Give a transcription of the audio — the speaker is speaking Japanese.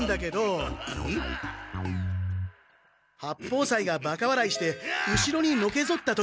八方斎がバカわらいして後ろにのけぞった時。